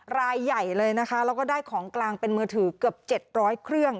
รายใหญ่เลยนะคะแล้วก็ได้ของกลางเป็นมือถือเกือบ๗๐๐เครื่อง